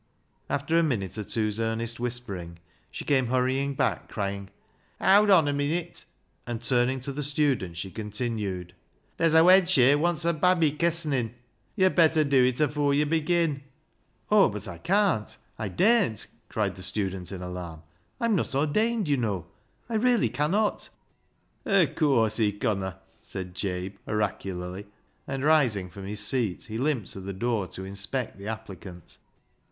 After a minute or two's earnest whispering, she came hurrying back, crying, " Howd on a minute," and turning to the student, she continued —" Ther's a wench here wants her babby kessening. Yo'd better dew it afoor yo' begin." "Oh, but I can't! I daren't!" cried the student in alarm, " I'm not ordained, you know ; I really cannot," " Of course he conna," said Jabe oracularly, and rising from his seat, he limped to the door to inspect the applicant.